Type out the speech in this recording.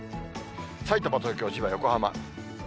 さいたま、東京、千葉、横浜。